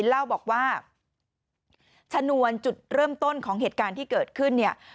เล่าบอกว่าชนวนจุดเริ่มต้นของเหตุการณ์ที่เกิดขึ้นเนี่ย